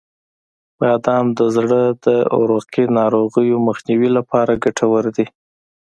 • بادام د زړه د عروقی ناروغیو مخنیوي لپاره ګټور دي.